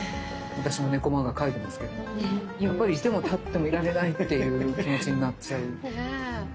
私も猫漫画描いてますけれどもやっぱりいてもたってもいられないっていう気持ちになっちゃう。